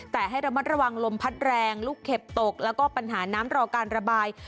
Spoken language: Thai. แต่ให้ระมัดระวังลมพัดแรงลูกเข็บตกแล้วก็ปัญหาน้ำรอการระบาย